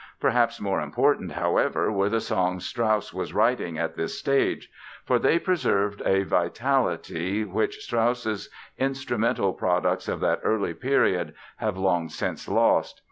Perhaps more important, however, were the songs Strauss was writing at this stage. For they have preserved a vitality which Strauss's instrumental products of that early period have long since lost.